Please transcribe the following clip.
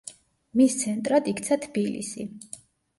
მის ცენტრად იქცა თბილისი.